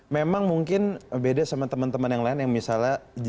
memang mungkin beda sama teman teman yang lain yang misalnya